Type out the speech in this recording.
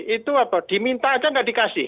itu apa diminta aja nggak dikasih